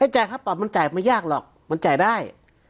จ่ายค่าปรับมันจ่ายไม่ยากหรอกมันจ่ายได้